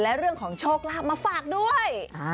และเรื่องของโชคลาภมาฝากด้วย